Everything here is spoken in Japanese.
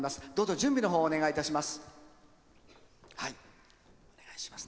準備をお願いいたします。